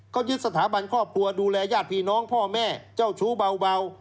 เขายึดสถาบันครอบครัวดูแลญาติพี่น้องพ่อแม่เจ้าชู้เบา